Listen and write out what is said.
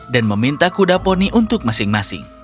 dan meminta kuda poni untuk masing masing